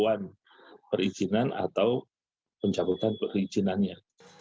kita akan menjaga penjabatan perizinan atau penjabatan perizinannya